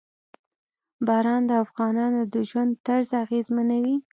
باران د افغانانو د ژوند طرز اغېزمنوي.